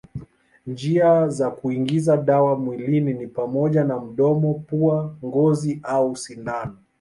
Njia za kuingiza dawa mwilini ni pamoja na mdomo, pua, ngozi au sindano.